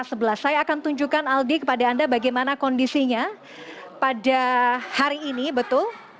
saya akan tunjukkan aldi kepada anda bagaimana kondisinya pada hari ini betul